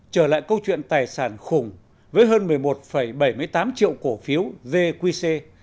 trở lại câu chuyện tài sản khùng với hơn một mươi một bảy mươi tám triệu cổ phiếu dqc